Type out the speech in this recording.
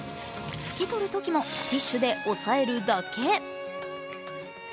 拭き取るときも、ティッシュで押さえるだけ。